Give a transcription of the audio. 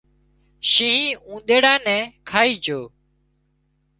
شينهن اونۮيڙا نين کائي جھو